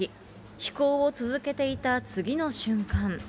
飛行を続けていた次の瞬間。